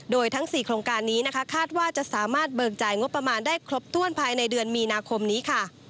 โดยทั้ง๔โครงการนี้นะคะคาดว่าจะสามารถเบิกจ่ายงบประมาณได้ครบถ้วนภายในเดือนมีนาคมนี้ค่ะ